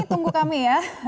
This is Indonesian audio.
tunggu kami ya